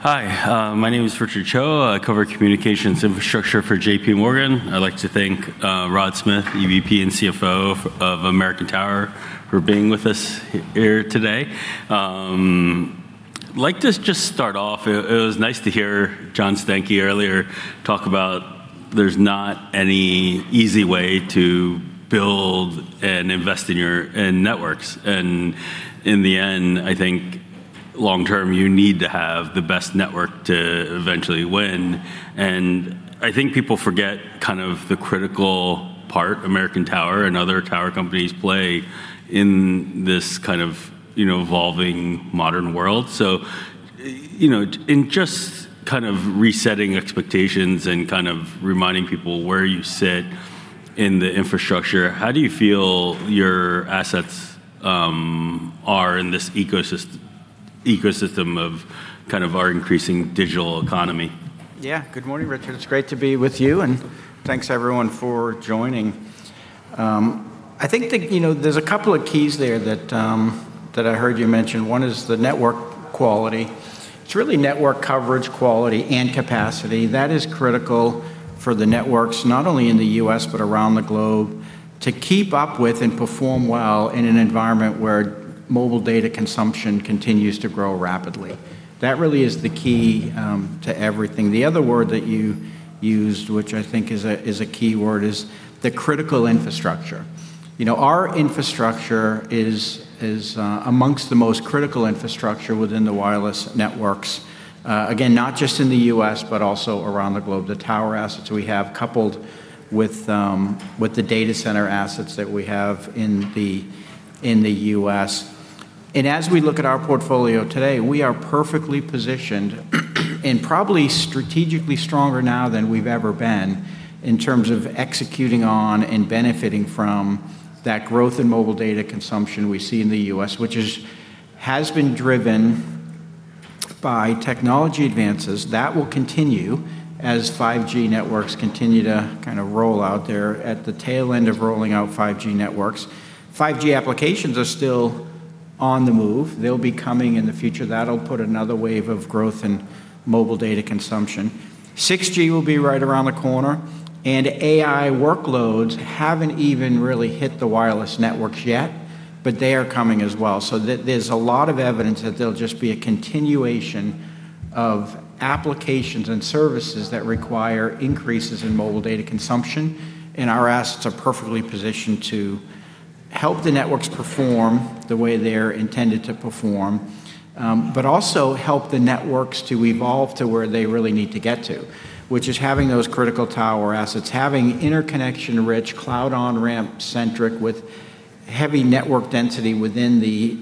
Hi, my name is Richard Choe. I cover communications infrastructure for JPMorgan. I'd like to thank Rod Smith, EVP and CFO of American Tower for being with us here today. Like to just start off, it was nice to hear John Stankey earlier talk about there's not any easy way to build and invest in networks. In the end, I think long-term, you need to have the best network to eventually win. I think people forget kind of the critical part American Tower and other tower companies play in this kind of, you know, evolving modern world. You know, in just kind of resetting expectations and kind of reminding people where you sit in the infrastructure, how do you feel your assets are in this ecosystem of kind of our increasing digital economy? Yeah. Good morning, Richard. It's great to be with you, and thanks everyone for joining. I think that, you know, there's a couple of keys there that I heard you mention. One is the network quality. It's really network coverage quality and capacity. That is critical for the networks, not only in the U.S. but around the globe, to keep up with and perform well in an environment where mobile data consumption continues to grow rapidly. That really is the key to everything. The other word that you used, which I think is a key word, is the critical infrastructure. You know, our infrastructure is amongst the most critical infrastructure within the wireless networks, again, not just in the U.S., but also around the globe. The tower assets we have coupled with the data center assets that we have in the U.S. As we look at our portfolio today, we are perfectly positioned and probably strategically stronger now than we've ever been in terms of executing on and benefiting from that growth in mobile data consumption we see in the U.S., which is, has been driven by technology advances. That will continue as 5G networks continue to kind of roll out. They're at the tail end of rolling out 5G networks. 5G applications are still on the move. They'll be coming in the future. That'll put another wave of growth in mobile data consumption. 6G will be right around the corner, and AI workloads haven't even really hit the wireless networks yet, but they are coming as well. There's a lot of evidence that there'll just be a continuation of applications and services that require increases in mobile data consumption, and our assets are perfectly positioned to help the networks perform the way they're intended to perform, but also help the networks to evolve to where they really need to get to, which is having those critical tower assets, having interconnection-rich cloud on-ramp centric with heavy network density within the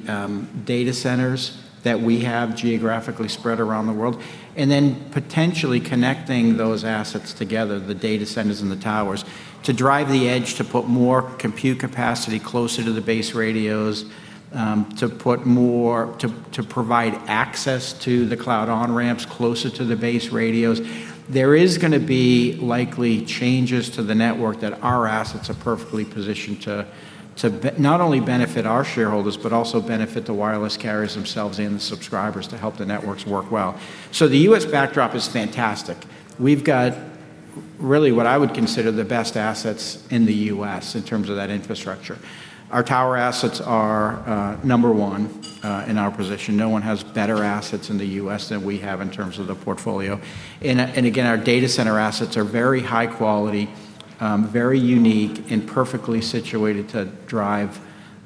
data centers that we have geographically spread around the world, and then potentially connecting those assets together, the data centers and the towers, to drive the edge to put more compute capacity closer to the base radios, to put more, to provide access to the cloud on-ramps closer to the base radios. There is gonna be likely changes to the network that our assets are perfectly positioned to not only benefit our shareholders but also benefit the wireless carriers themselves and the subscribers to help the networks work well. The U.S. backdrop is fantastic. We've got really what I would consider the best assets in the U.S. in terms of that infrastructure. Our tower assets are number one in our position. No one has better assets in the U.S. than we have in terms of the portfolio. Again, our data center assets are very high quality, very unique, and perfectly situated to drive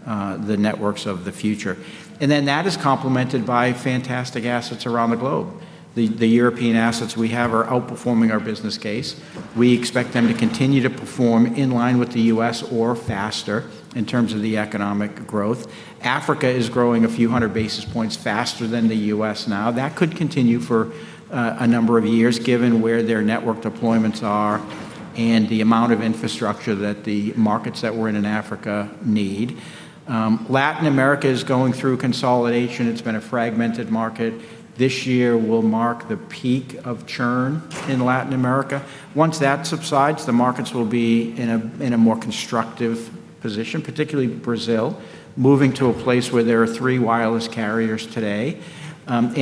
the networks of the future. That is complemented by fantastic assets around the globe. The European assets we have are outperforming our business case. We expect them to continue to perform in line with the U.S. or faster in terms of the economic growth. Africa is growing a few hundred basis points faster than the U.S. now. That could continue for a number of years given where their network deployments are and the amount of infrastructure that the markets that we're in in Africa need. Latin America is going through consolidation. It's been a fragmented market. This year will mark the peak of churn in Latin America. Once that subsides, the markets will be in a, in a more constructive position, particularly Brazil, moving to a place where there are three wireless carriers today.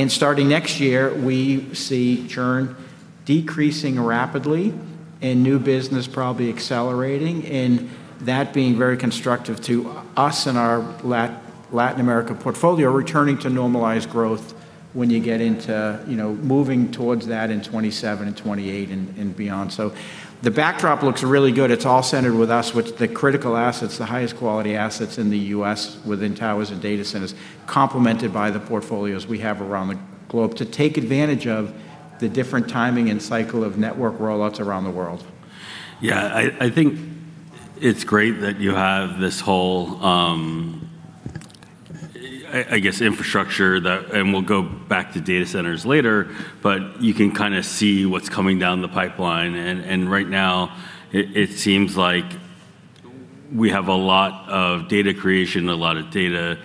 Starting next year, we see churn decreasing rapidly and new business probably accelerating, and that being very constructive to us and our Latin America portfolio, returning to normalized growth when you get into, you know, moving towards that in 2027 and 2028 and beyond. The backdrop looks really good. It's all centered with us with the critical assets, the highest quality assets in the U.S. within towers and data centers, complemented by the portfolios we have around the globe to take advantage of the different timing and cycle of network rollouts around the world. I think it's great that you have this whole infrastructure that, we'll go back to data centers later, you can kind of see what's coming down the pipeline. Right now it seems like we have a lot of data creation, a lot of data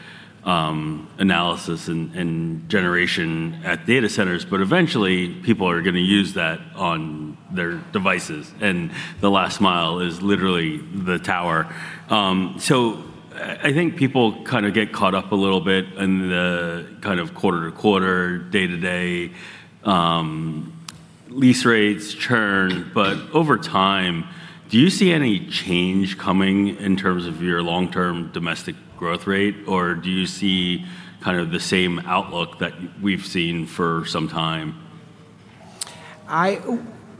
analysis and generation at data centers, eventually people are gonna use that on their devices, the last mile is literally the tower. I think people kind of get caught up a little bit in the kind of quarter-to-quarter, day-to-day lease rates churn. Over time, do you see any change coming in terms of your long-term domestic growth rate? Or do you see kind of the same outlook that we've seen for some time?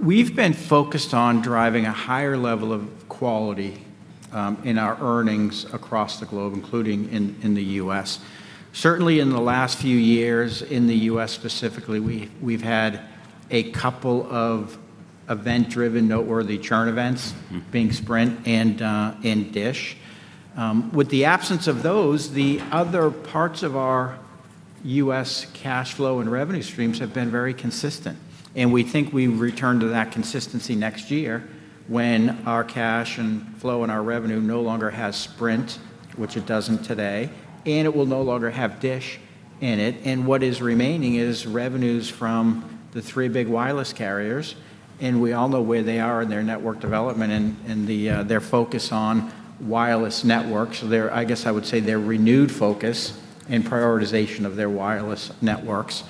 We've been focused on driving a higher level of quality in our earnings across the globe, including in the U.S. Certainly, in the last few years in the U.S. specifically, we've had a couple of event-driven noteworthy churn events. Being Sprint and DISH. With the absence of those, the other parts of our U.S. cash flow and revenue streams have been very consistent. We think we return to that consistency next year when our cash and flow and our revenue no longer has Sprint, which it doesn't today, and it will no longer have DISH in it. What is remaining is revenues from the three big wireless carriers, and we all know where they are in their network development and the their focus on wireless networks. I guess I would say their renewed focus and prioritization of their wireless networks.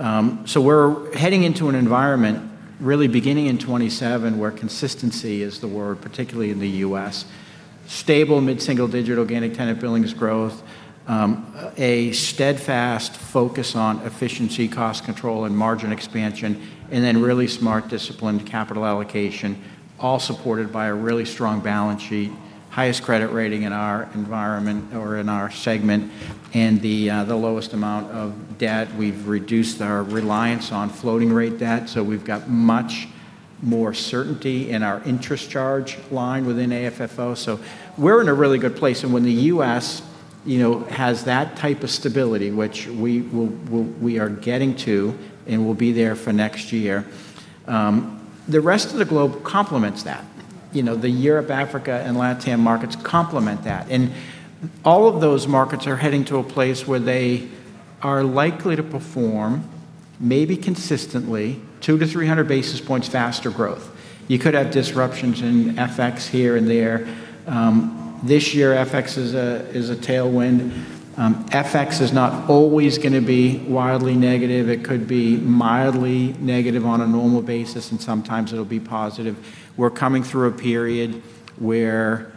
We're heading into an environment really beginning in 2027 where consistency is the word, particularly in the U.S. Stable mid-single-digit organic tenant billings growth, a steadfast focus on efficiency, cost control, and margin expansion, really smart disciplined capital allocation, all supported by a really strong balance sheet, highest credit rating in our environment or in our segment, and the lowest amount of debt. We've reduced our reliance on floating rate debt, we've got much more certainty in our interest charge line within AFFO. We're in a really good place. When the U.S., you know, has that type of stability, which we are getting to and will be there for next year, the rest of the globe complements that. You know, the Europe, Africa, and LATAM markets complement that. All of those markets are heading to a place where they are likely to perform maybe consistently 200-300 basis points faster growth. You could have disruptions in FX here and there. This year, FX is a tailwind. FX is not always gonna be wildly negative. It could be mildly negative on a normal basis, and sometimes it'll be positive. We're coming through a period where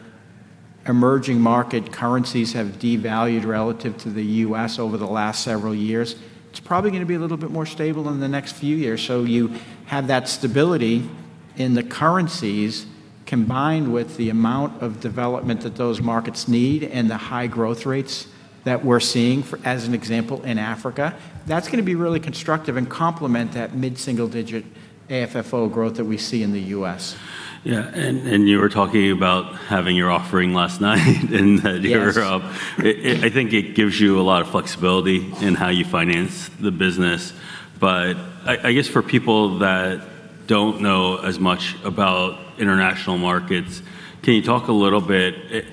emerging market currencies have devalued relative to the U.S. over the last several years. It's probably gonna be a little bit more stable in the next few years. You have that stability in the currencies combined with the amount of development that those markets need and the high growth rates that we're seeing for, as an example, in Africa. That's gonna be really constructive and complement that mid-single-digit AFFO growth that we see in the U.S. Yeah. You were talking about having your offering last night. Yes. I think it gives you a lot of flexibility in how you finance the business. I guess for people that don't know as much about international markets, can you talk a little bit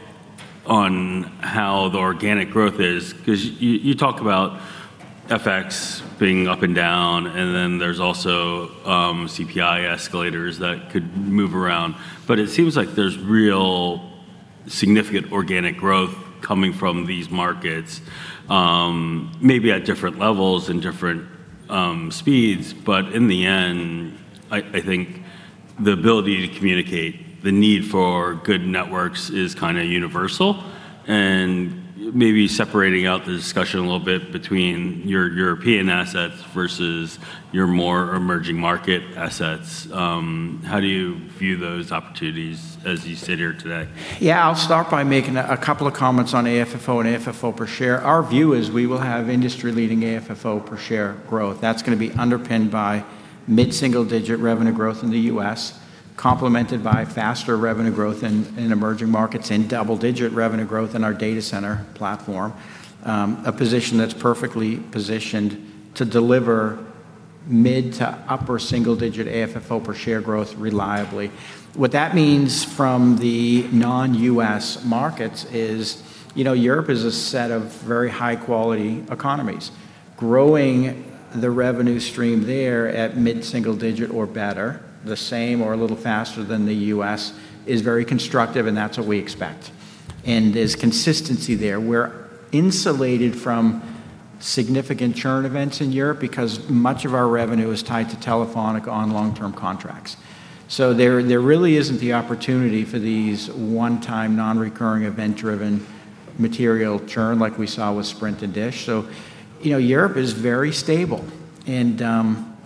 on how the organic growth is? 'Cause you talk about FX being up and down, and then there's also CPI escalators that could move around. It seems like there's real significant organic growth coming from these markets, maybe at different levels and different speeds. In the end, I think the ability to communicate the need for good networks is kind of universal. Maybe separating out the discussion a little bit between your European assets versus your more emerging market assets, how do you view those opportunities as you sit here today? Yeah. I'll start by making a couple of comments on AFFO and AFFO per share. Our view is we will have industry-leading AFFO per share growth. That's gonna be underpinned by mid-single-digit revenue growth in the U.S., complemented by faster revenue growth in emerging markets and double-digit revenue growth in our data center platform. A position that's perfectly positioned to deliver mid to upper single-digit AFFO per share growth reliably. What that means from the non-U.S. markets is, you know, Europe is a set of very high-quality economies. Growing the revenue stream there at mid-single digit or better, the same or a little faster than the U.S., is very constructive, and that's what we expect. There's consistency there. We're insulated from significant churn events in Europe because much of our revenue is tied to Telefónica on long-term contracts. There really isn't the opportunity for these one-time non-recurring event-driven material churn like we saw with Sprint and DISH. you know, Europe is very stable and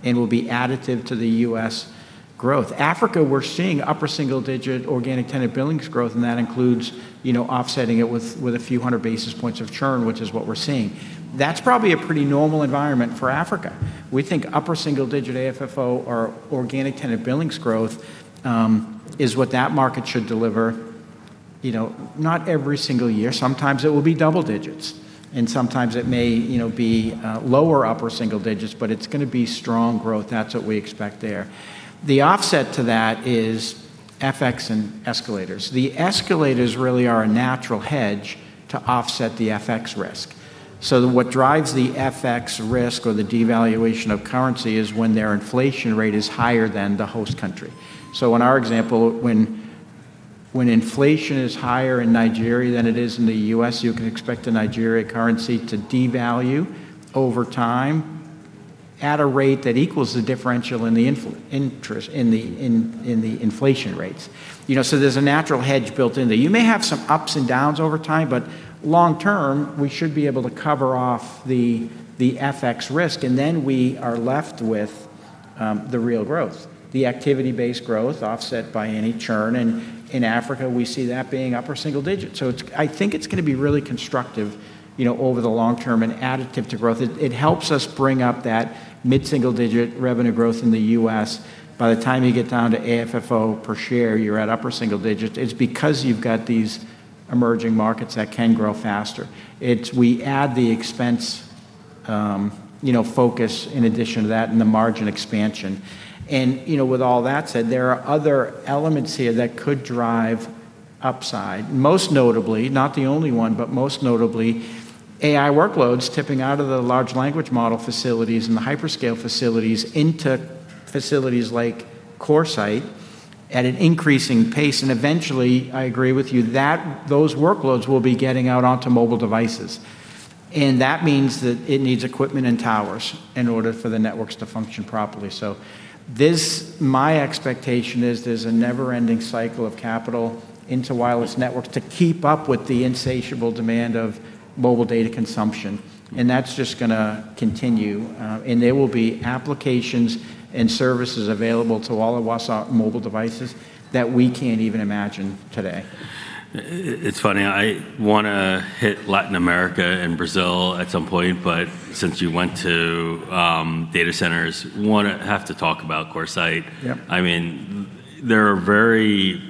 will be additive to the U.S. growth. Africa, we're seeing upper single-digit organic tenant billings growth, and that includes, you know, offsetting it with a few hundred basis points of churn, which is what we're seeing. That's probably a pretty normal environment for Africa. We think upper single-digit AFFO or organic tenant billings growth is what that market should deliver, you know, not every single year. Sometimes it will be double digits, and sometimes it may, you know, be lower upper single digits, but it's gonna be strong growth. That's what we expect there. The offset to that is FX and escalators. The escalators really are a natural hedge to offset the FX risk. What drives the FX risk or the devaluation of currency is when their inflation rate is higher than the host country. In our example, when inflation is higher in Nigeria than it is in the U.S., you can expect the Nigeria currency to devalue over time at a rate that equals the differential in the inflation rates. You know, there's a natural hedge built in there. You may have some ups and downs over time, but long term, we should be able to cover off the FX risk, and then we are left with the real growth, the activity-based growth offset by any churn. In Africa, we see that being upper single digits. I think it's gonna be really constructive, you know, over the long term and additive to growth. It helps us bring up that mid-single digit revenue growth in the U.S. By the time you get down to AFFO per share, you're at upper single digits. It's because you've got these emerging markets that can grow faster. We add the expense, you know, focus in addition to that and the margin expansion. You know, with all that said, there are other elements here that could drive upside. Most notably, not the only one, but most notably AI workloads tipping out of the large language model facilities and the hyperscale facilities into facilities like CoreSite at an increasing pace. Eventually, I agree with you, that those workloads will be getting out onto mobile devices. That means that it needs equipment and towers in order for the networks to function properly. This, my expectation is there's a never-ending cycle of capital into wireless networks to keep up with the insatiable demand of mobile data consumption, and that's just gonna continue. There will be applications and services available to all of us on mobile devices that we can't even imagine today. It's funny, I wanna hit Latin America and Brazil at some point, but since you went to data centers, wanna have to talk about CoreSite. Yep. I mean, there are very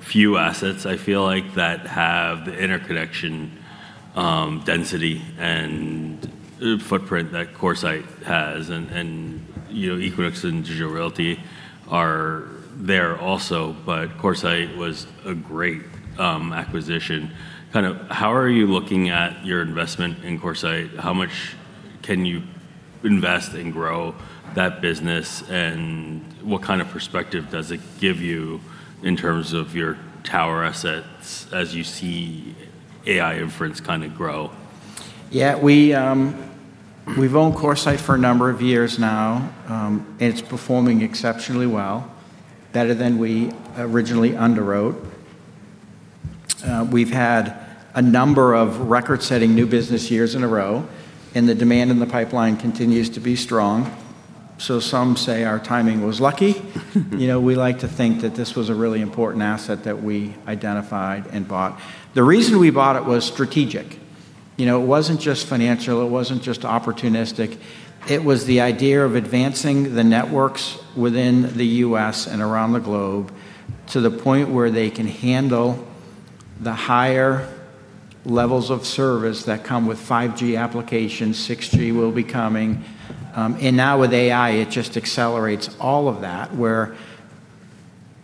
few assets I feel like that have the interconnection, density and footprint that CoreSite has and, you know, Equinix and Digital Realty are there also. CoreSite was a great acquisition. Kind of how are you looking at your investment in CoreSite? How much can you invest and grow that business, and what kind of perspective does it give you in terms of your tower assets as you see AI inference kind of grow? Yeah, we've owned CoreSite for a number of years now. It's performing exceptionally well, better than we originally underwrote. We've had a number of record-setting new business years in a row, and the demand in the pipeline continues to be strong. Some say our timing was lucky. You know, we like to think that this was a really important asset that we identified and bought. The reason we bought it was strategic. You know, it wasn't just financial, it wasn't just opportunistic. It was the idea of advancing the networks within the U.S. and around the globe to the point where they can handle the higher levels of service that come with 5G applications. 6G will be coming, and now with AI, it just accelerates all of that, where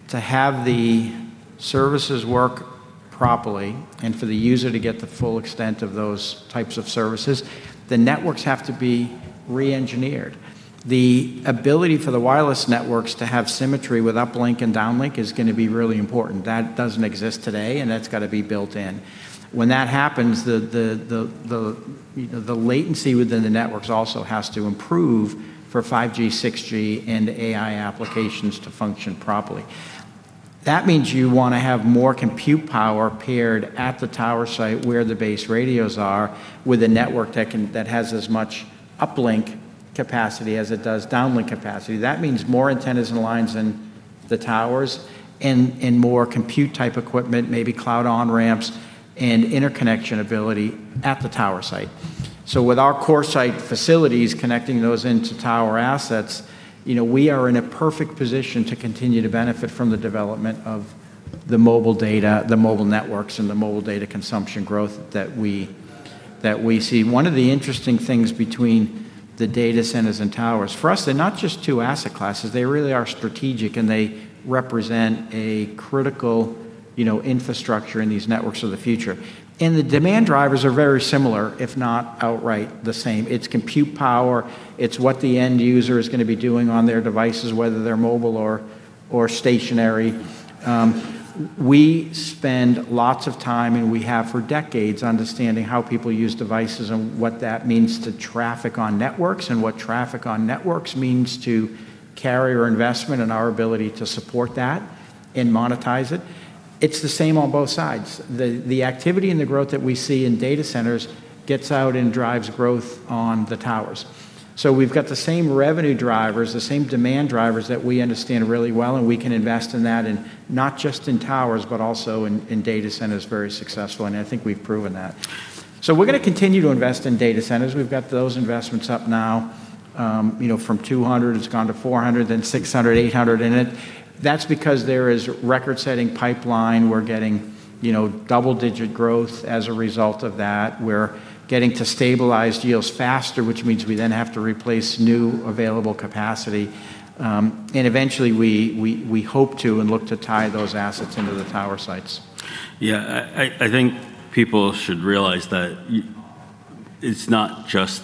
to have the services work properly and for the user to get the full extent of those types of services, the networks have to be re-engineered. The ability for the wireless networks to have symmetry with uplink and downlink is gonna be really important. That doesn't exist today, and that's gotta be built in. When that happens, you know, the latency within the networks also has to improve for 5G, 6G, and AI applications to function properly. That means you wanna have more compute power paired at the tower site where the base radios are with a network that has as much uplink capacity as it does downlink capacity. That means more antennas and lines in the towers and more compute type equipment, maybe cloud on-ramps and interconnection ability at the tower site. With our CoreSite facilities connecting those into tower assets, you know, we are in a perfect position to continue to benefit from the development of the mobile data, the mobile networks, and the mobile data consumption growth that we see. One of the interesting things between the data centers and towers, for us, they're not just two asset classes. They really are strategic, and they represent a critical, you know, infrastructure in these networks of the future. The demand drivers are very similar, if not outright the same. It's compute power. It's what the end user is gonna be doing on their devices, whether they're mobile or stationary. We spend lots of time, and we have for decades, understanding how people use devices and what that means to traffic on networks and what traffic on networks means to carrier investment and our ability to support that and monetize it. It's the same on both sides. The activity and the growth that we see in data centers gets out and drives growth on the towers. We've got the same revenue drivers, the same demand drivers that we understand really well, and we can invest in that in not just in towers, but also in data centers very successfully, and I think we've proven that. We're gonna continue to invest in data centers. We've got those investments up now, you know, from 200, it's gone to 400, then 600, 800 in it. That's because there is record-setting pipeline. We're getting, you know, double-digit growth as a result of that. We're getting to stabilized yields faster, which means we then have to replace new available capacity. Eventually, we hope to and look to tie those assets into the tower sites. Yeah. I think people should realize that it's not just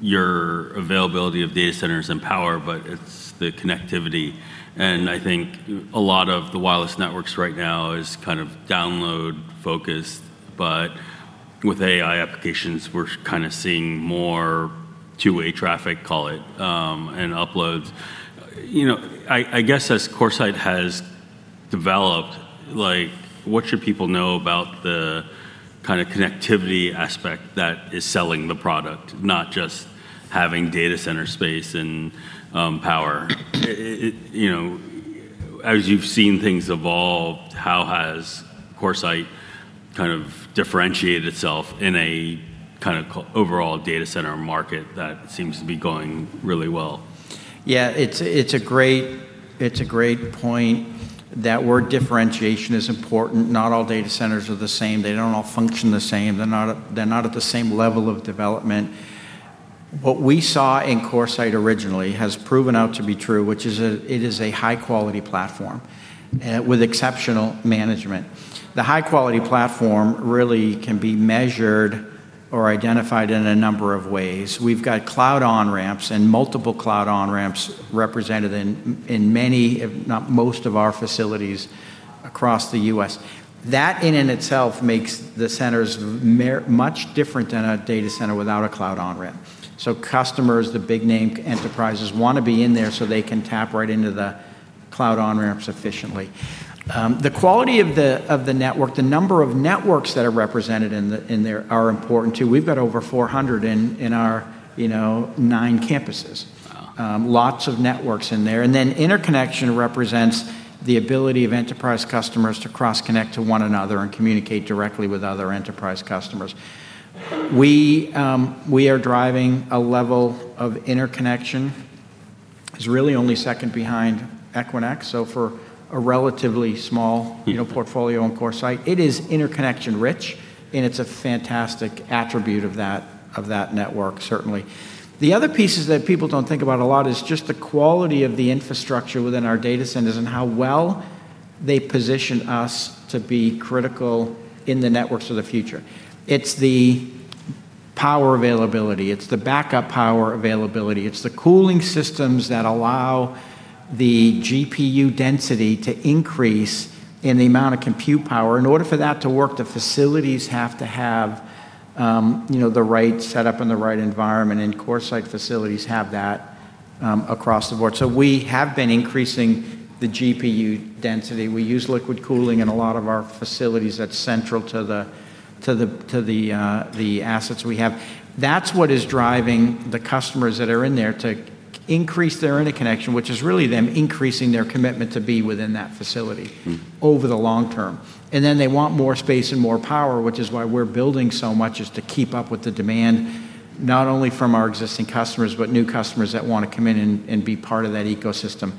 your availability of data centers and power, but it's the connectivity, and I think a lot of the wireless networks right now is kind of download-focused, but with AI applications, we're kind of seeing more two-way traffic, call it, and uploads. You know, I guess as CoreSite has developed, like, what should people know about the kind of connectivity aspect that is selling the product, not just having data center space and power? You know, as you've seen things evolve, how has CoreSite kind of differentiated itself in a kind of overall data center market that seems to be going really well? It's a great point. That word differentiation is important. Not all data centers are the same. They don't all function the same. They're not at the same level of development. What we saw in CoreSite originally has proven out to be true, it is a high-quality platform with exceptional management. The high-quality platform really can be measured or identified in a number of ways. We've got cloud on-ramps and multiple cloud on-ramps represented in many, if not most of our facilities across the U.S. That in and itself makes the centers much different than a data center without a cloud on-ramp. Customers, the big name enterprises, wanna be in there so they can tap right into the cloud on-ramps efficiently. The quality of the network, the number of networks that are represented in there are important too. We've got over 400 in our, you know, nine campuses. Wow. Lots of networks in there. Interconnection represents the ability of enterprise customers to cross-connect to one another and communicate directly with other enterprise customers. We are driving a level of interconnection. It's really only second behind Equinix, so for a relatively small. Yeah You know, portfolio in CoreSite, it is interconnection rich, and it's a fantastic attribute of that network certainly. The other pieces that people don't think about a lot is just the quality of the infrastructure within our data centers and how well they position us to be critical in the networks of the future. It's the power availability. It's the backup power availability. It's the cooling systems that allow the GPU density to increase and the amount of compute power. In order for that to work, the facilities have to have, you know, the right setup and the right environment, and CoreSite facilities have that across the board. We have been increasing the GPU density. We use liquid cooling in a lot of our facilities. That's central to the assets we have. That's what is driving the customers that are in there to increase their interconnection, which is really them increasing their commitment to be within that facility over the long term. They want more space and more power, which is why we're building so much, is to keep up with the demand, not only from our existing customers, but new customers that wanna come in and be part of that ecosystem.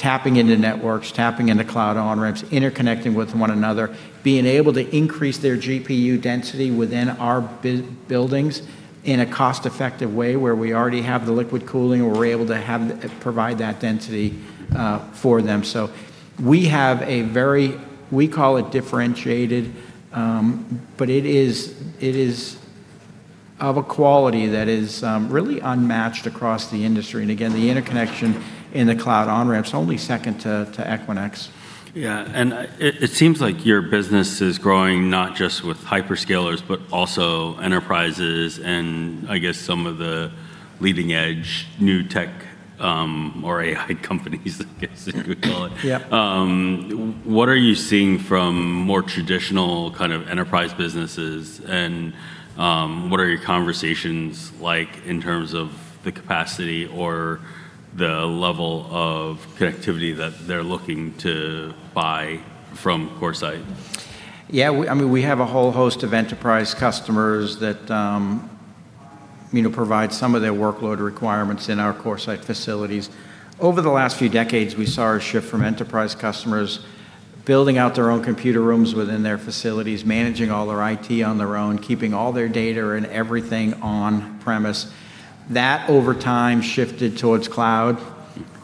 Tapping into networks, tapping into cloud on-ramps, interconnecting with one another, being able to increase their GPU density within our buildings in a cost-effective way where we already have the liquid cooling or we're able to provide that density for them. We have a very, we call it differentiated, but it is, it is of a quality that is really unmatched across the industry. Again, the interconnection in the cloud on-ramps, only second to Equinix. It seems like your business is growing not just with hyperscalers, but also enterprises and I guess some of the leading edge new tech, or AI companies, I guess you could call it. Yeah. What are you seeing from more traditional kind of enterprise businesses, and, what are your conversations like in terms of the capacity or the level of connectivity that they're looking to buy from CoreSite? Yeah, we, I mean, we have a whole host of enterprise customers that, you know, provide some of their workload requirements in our CoreSite facilities. Over the last few decades, we saw a shift from enterprise customers building out their own computer rooms within their facilities, managing all their IT on their own, keeping all their data and everything on premise. That, over time, shifted towards cloud.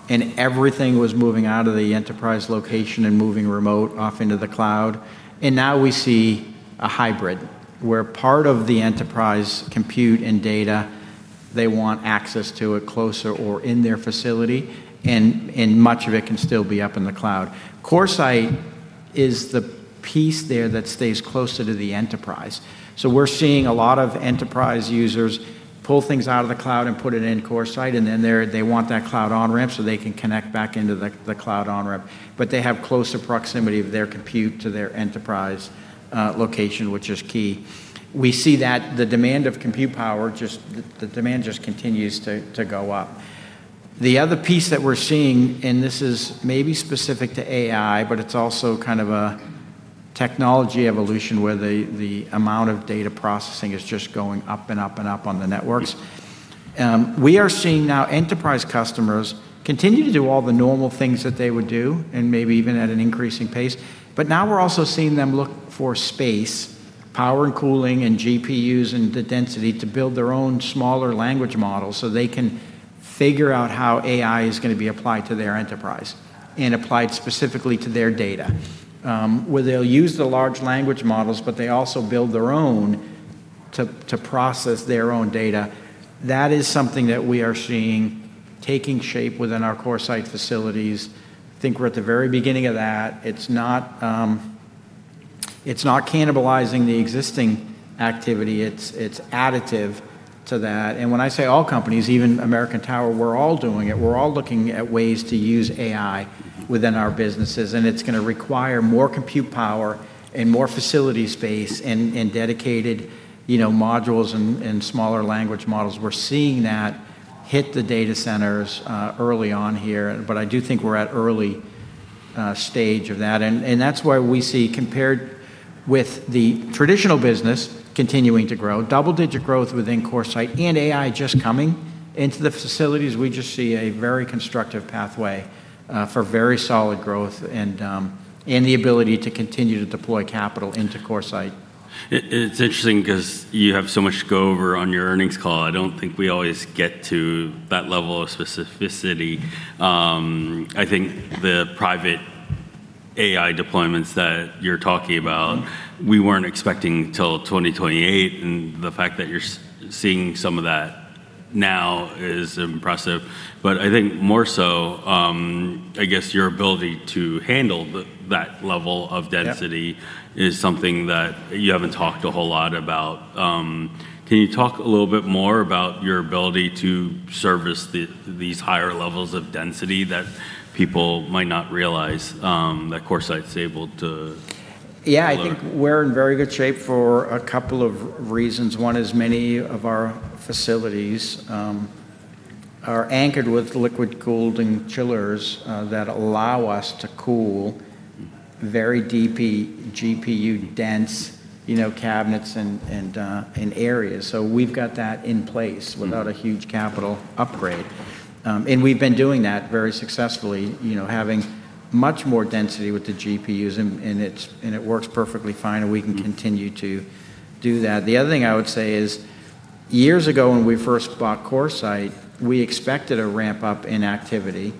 Everything was moving out of the enterprise location and moving remote off into the cloud. Now we see a hybrid, where part of the enterprise compute and data, they want access to it closer or in their facility, and much of it can still be up in the cloud. CoreSite is the piece there that stays closer to the enterprise. We're seeing a lot of enterprise users pull things out of the cloud and put it in CoreSite, and then they want that cloud on-ramp so they can connect back into the cloud on-ramp. They have closer proximity of their compute to their enterprise location, which is key. We see that the demand of compute power just the demand continues to go up. The other piece that we're seeing, and this is maybe specific to AI, but it's also kind of a technology evolution where the amount of data processing is just going up and up and up on the networks. We are seeing now enterprise customers continue to do all the normal things that they would do, and maybe even at an increasing pace. Now we're also seeing them look for space, power and cooling and GPUs and the density to build their own smaller language models so they can figure out how AI is gonna be applied to their enterprise and applied specifically to their data. Where they'll use the large language models, but they also build their own to process their own data. That is something that we are seeing taking shape within our CoreSite facilities. I think we're at the very beginning of that. It's not, it's not cannibalizing the existing activity. It's, it's additive to that. When I say all companies, even American Tower, we're all doing it. We're all looking at ways to use AI within our businesses, it's gonna require more compute power and more facility space and dedicated, you know, modules and smaller language models. We're seeing that hit the data centers early on here. I do think we're at early stage of that. That's why we see compared with the traditional business continuing to grow, double digit growth within CoreSite and AI just coming into the facilities, we just see a very constructive pathway for very solid growth and the ability to continue to deploy capital into CoreSite. It's interesting because you have so much to go over on your earnings call. I don't think we always get to that level of specificity. I think the private AI deployments that you're talking about, we weren't expecting till 2028, and the fact that you're seeing some of that now is impressive. I think more so, I guess your ability to handle that level of density- Yeah is something that you haven't talked a whole lot about. Can you talk a little bit more about your ability to service the, these higher levels of density that people might not realize, that CoreSite's able to deliver? Yeah. I think we're in very good shape for a couple of reasons. One is many of our facilities are anchored with liquid cooled and chillers that allow us to cool very DP, GPU dense cabinets and areas. We've got that in place without a huge capital upgrade. We've been doing that very successfully, having much more density with the GPUs, and it works perfectly fine, and we can continue to do that. The other thing I would say is years ago when we first bought CoreSite, we expected a ramp up in activity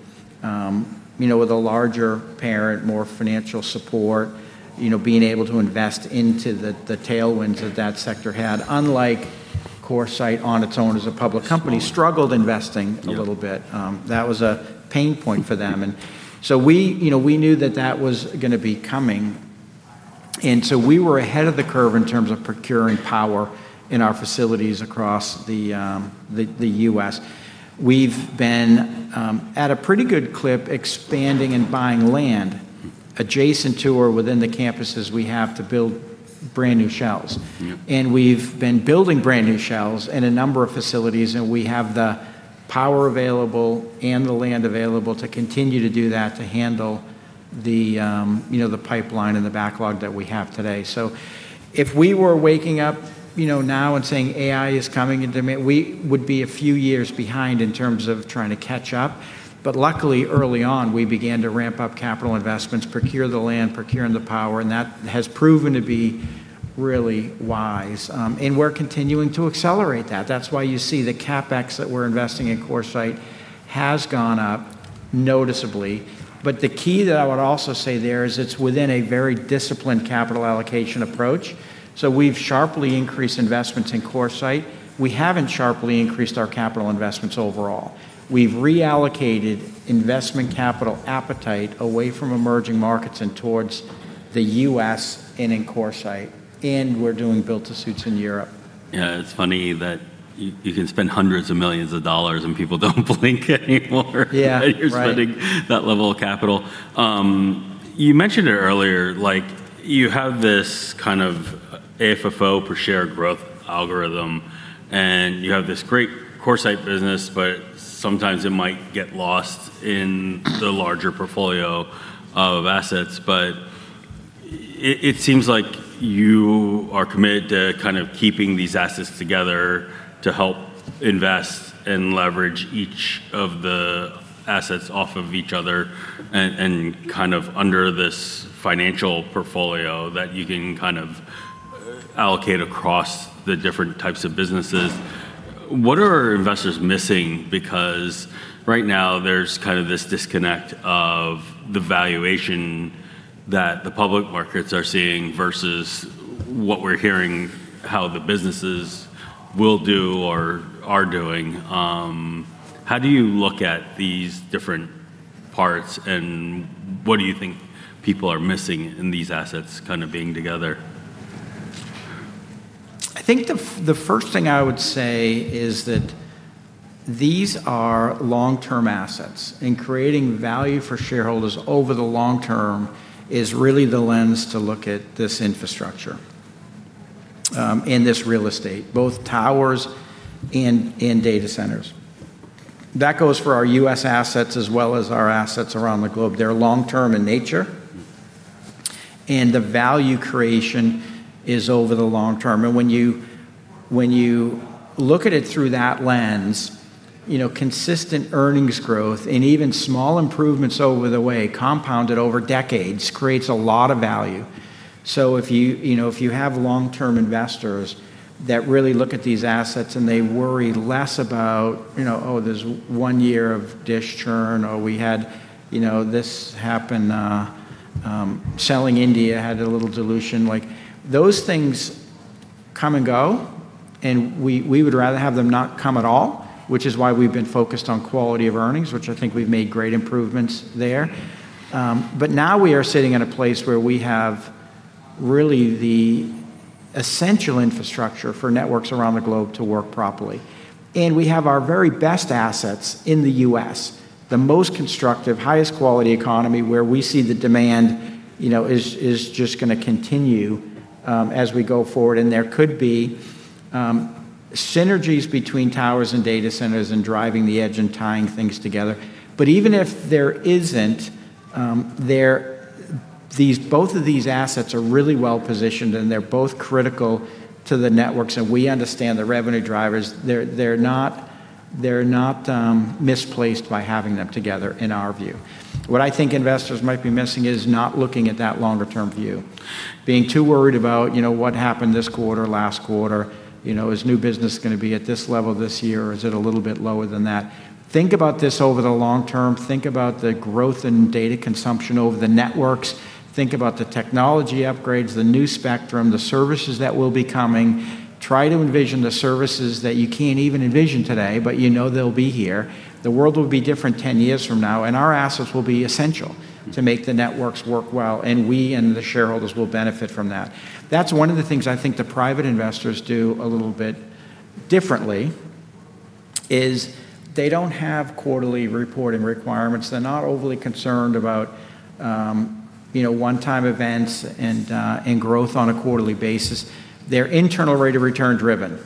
with a larger parent, more financial support, being able to invest into the tailwinds that sector had. Unlike CoreSite on its own as a public company, struggled investing a little bit. Yeah. That was a pain point for them. We, you know, we knew that that was gonna be coming, and so we were ahead of the curve in terms of procuring power in our facilities across the U.S. We've been at a pretty good clip expanding and buying land adjacent to or within the campuses we have to build brand new shells. We've been building brand new shells in a number of facilities, and we have the power available and the land available to continue to do that to handle the, you know, the pipeline and the backlog that we have today. If we were waking up, you know, now and saying AI is coming, we would be a few years behind in terms of trying to catch up. Luckily, early on, we began to ramp up capital investments, procure the land, procuring the power, and that has proven to be really wise. And we're continuing to accelerate that. That's why you see the CapEx that we're investing in CoreSite has gone up noticeably. The key that I would also say there is it's within a very disciplined capital allocation approach. We've sharply increased investments in CoreSite. We haven't sharply increased our capital investments overall. We've reallocated investment capital appetite away from emerging markets and towards the U.S. and in CoreSite. We're doing build to suits in Europe. Yeah. It's funny that you can spend hundreds of millions of dollars and people don't blink anymore. Yeah. Right. You're spending that level of capital. You mentioned it earlier, like you have this kind of AFFO per share growth algorithm, and you have this great CoreSite business, but sometimes it might get lost in the larger portfolio of assets. It seems like you are committed to kind of keeping these assets together to help invest and leverage each of the assets off of each other and kind of under this financial portfolio that you can kind of allocate across the different types of businesses. What are investors missing? Right now there's kind of this disconnect of the valuation that the public markets are seeing versus what we're hearing how the businesses will do or are doing. How do you look at these different parts, and what do you think people are missing in these assets kind of being together? I think the first thing I would say is that these are long-term assets, and creating value for shareholders over the long term is really the lens to look at this infrastructure, and this real estate, both towers and data centers. That goes for our U.S. assets as well as our assets around the globe. They're long term in nature. The value creation is over the long term. When you look at it through that lens, you know, consistent earnings growth and even small improvements over the way compounded over decades creates a lot of value. If you know, if you have long-term investors that really look at these assets and they worry less about, you know, oh, there's one year of DISH churn, or we had, you know, this happen, selling India had a little dilution. Those things come and go, and we would rather have them not come at all, which is why we've been focused on quality of earnings, which I think we've made great improvements there. Now we are sitting in a place where we have really the essential infrastructure for networks around the globe to work properly, and we have our very best assets in the U.S., the most constructive, highest quality economy where we see the demand, you know, is just gonna continue as we go forward. There could be synergies between towers and data centers and driving the edge and tying things together. Even if there isn't, these, both of these assets are really well-positioned, and they're both critical to the networks, and we understand the revenue drivers. They're not misplaced by having them together, in our view. What I think investors might be missing is not looking at that longer term view, being too worried about, you know, what happened this quarter, last quarter. You know, is new business gonna be at this level this year, or is it a little bit lower than that? Think about this over the long term. Think about the growth in data consumption over the networks. Think about the technology upgrades, the new spectrum, the services that will be coming. Try to envision the services that you can't even envision today, but you know they'll be here. The world will be different 10 years from now, and our assets will be essential to make the networks work well, and we and the shareholders will benefit from that. That's one of the things I think the private investors do a little bit differently, is they don't have quarterly reporting requirements. They're not overly concerned about, you know, one-time events and growth on a quarterly basis. They're internal rate of return driven,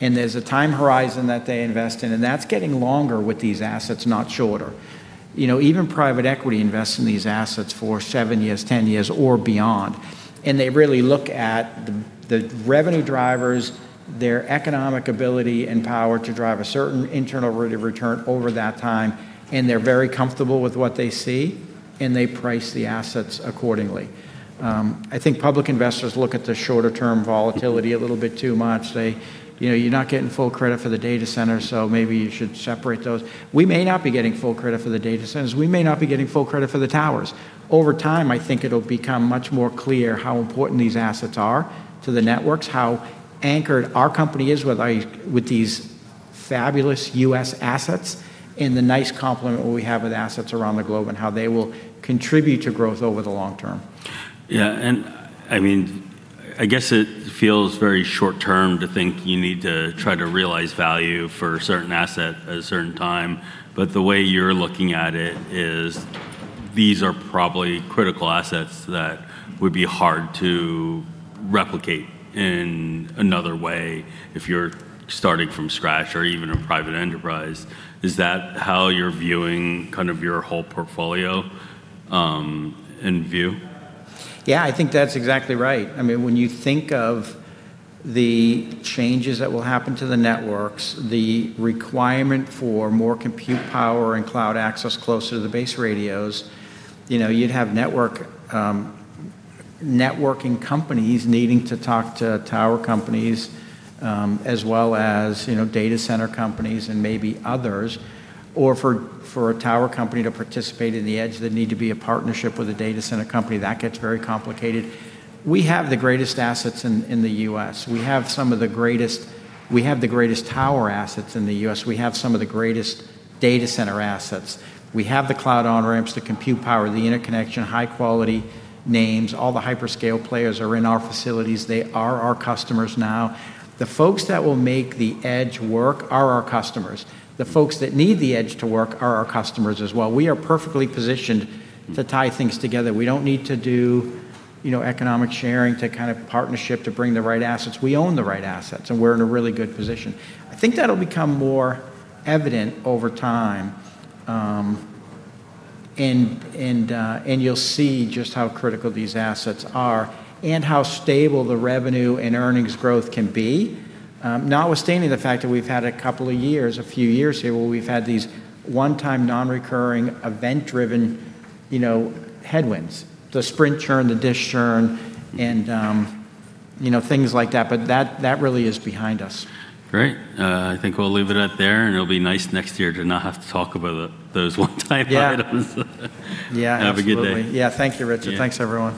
and there's a time horizon that they invest in, and that's getting longer with these assets, not shorter. You know, even private equity invests in these assets for seven years, 10 years, or beyond, and they really look at the revenue drivers, their economic ability and power to drive a certain internal rate of return over that time, and they're very comfortable with what they see, and they price the assets accordingly. I think public investors look at the shorter term volatility a little bit too much. You know, you're not getting full credit for the data center, so maybe you should separate those. We may not be getting full credit for the data centers. We may not be getting full credit for the towers. Over time, I think it'll become much more clear how important these assets are to the networks, how anchored our company is with, like, with these fabulous U.S. assets and the nice complement we have with assets around the globe and how they will contribute to growth over the long term. Yeah. I mean, I guess it feels very short term to think you need to try to realize value for a certain asset at a certain time. The way you're looking at it is these are probably critical assets that would be hard to replicate in another way if you're starting from scratch or even a private enterprise. Is that how you're viewing kind of your whole portfolio in view? Yeah, I think that's exactly right. I mean, when you think of the changes that will happen to the networks, the requirement for more compute power and cloud access closer to the base radios, you know, you'd have network networking companies needing to talk to tower companies, as well as, you know, data center companies and maybe others. Or for a tower company to participate in the edge, there'd need to be a partnership with a data center company. That gets very complicated. We have the greatest assets in the U.S. We have the greatest tower assets in the U.S. We have some of the greatest data center assets. We have the cloud on-ramps, the compute power, the interconnection, high quality names. All the hyperscale players are in our facilities. They are our customers now. The folks that will make the edge work are our customers. The folks that need the edge to work are our customers as well. We are perfectly positioned to tie things together. We don't need to do, you know, economic sharing to kind of partnership to bring the right assets. We own the right assets, and we're in a really good position. I think that'll become more evident over time, and you'll see just how critical these assets are and how stable the revenue and earnings growth can be, notwithstanding the fact that we've had a couple of years, a few years here, where we've had these one-time, non-recurring, event-driven, you know, headwinds. The Sprint churn, the DISH churn, you know, things like that. That really is behind us. Great. I think we'll leave it at there, and it'll be nice next year to not have to talk about, those one-time items. Yeah. Yeah, absolutely. Have a good day. Yeah. Thank you, Richard. Yeah. Thanks, everyone.